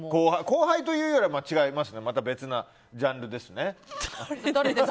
後輩というよりはまた別なジャンルですね。